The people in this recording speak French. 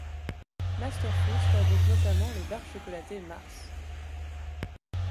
Masterfoods fabrique notamment les barres chocolatées Mars.